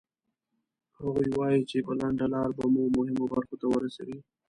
هغوی وایي چې په لنډه لاره به مو مهمو برخو ته ورسوي.